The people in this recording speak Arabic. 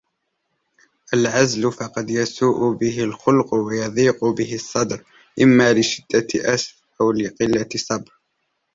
الْعَزْلُ فَقَدْ يَسُوءُ بِهِ الْخُلُقُ وَيَضِيقُ بِهِ الصَّدْرُ إمَّا لِشِدَّةِ أَسَفٍ أَوْ لِقِلَّةِ صَبْرٍ